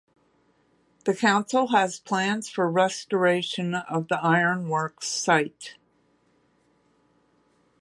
The council has plans for restoration of the ironworks site.